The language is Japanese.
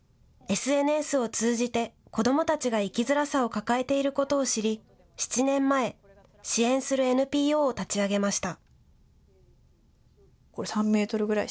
ＳＮＳを通じて子どもたちが生きづらさを抱えていることを知り７年前、支援するＮＰＯを立ち上げました。